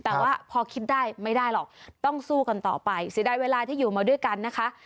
แต่ว่าพอคิดได้ไม่ได้หรอกต้องสู้กันต่อไปเสียดายเวลาที่อยู่มาด้วยกันนะคะ